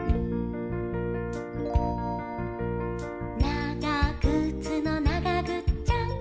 「ながぐつの、ながぐっちゃん！！」